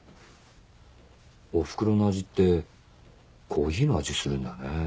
おふくろの味ってコーヒーの味するんだね。